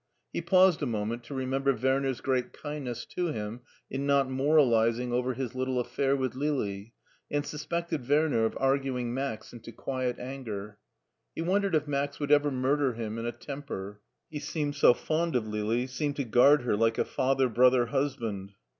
He paused a moment to re member Werner's great kindness to him in not moral izing over his little affair with Lili, and suspected Werner of arguing Max into quiet anger. He won dered if Max would ever murder him in a temper; he seemed so fond of Lili, seemed to guard her like a father brother husband.